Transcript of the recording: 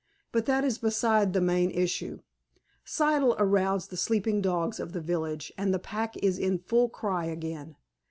But that is beside the main issue. Siddle aroused the sleeping dogs of the village, and the pack is in full cry again.